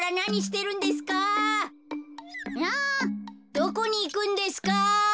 どこにいくんですか？